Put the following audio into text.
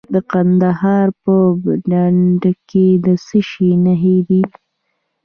د کندهار په ډنډ کې د څه شي نښې دي؟